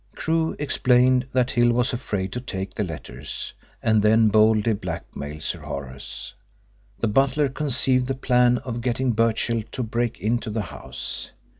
Crewe explained that Hill was afraid to take the letters and then boldly blackmail Sir Horace. The butler conceived the plan of getting Birchill to break into the house.